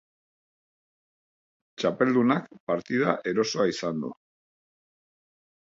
Txapeldunak partida erosoa izan du.